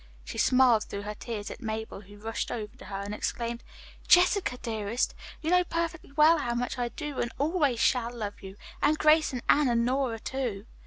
She smiled through her tears at Mabel, who rushed over to her and exclaimed: "Jessica, dearest, you know perfectly well how much I do and always shall love you, and Grace and Anne and Nora, too."